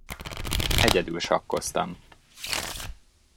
Egyedül sakkoztam.